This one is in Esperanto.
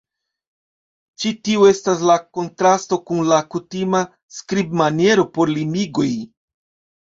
Ĉi tiu estas en kontrasto kun la kutima skribmaniero por limigoj.